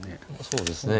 そうですね。